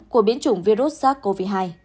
của biến chủng virus sars cov hai